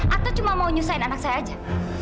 atau cuma mau nyusahin anak saya aja